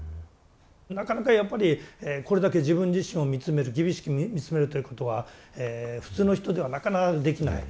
なかなかやっぱりこれだけ自分自身を見つめる厳しく見つめるということは普通の人ではなかなかできない。